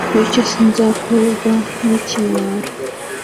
bityo sinzakorwa n'ikimwaro